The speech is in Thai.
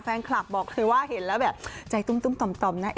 แฟนคลับบอกเลยว่าเห็นแล้วแบบใจตุ้มต่อมนะ